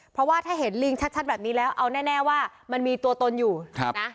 เพราะว่าถ้าเห็นลิงชัดแบบนี้แล้วเอาแน่ว่ามันมีตัวตนอยู่นะ